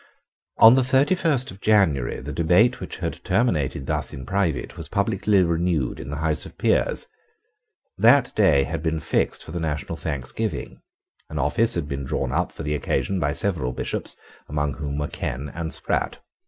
On the thirty first of January the debate which had terminated thus in private was publicly renewed in the House of Peers. That day had been fixed for the national thanksgiving. An office had been drawn up for the occasion by several Bishops, among whom were Ken and Sprat.